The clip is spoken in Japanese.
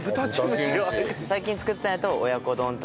最近作ったんやと親子丼とか。